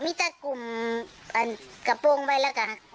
มันกุ่มกะโป้งไว้แล้วนะ